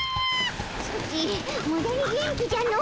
ソチムダに元気じゃの。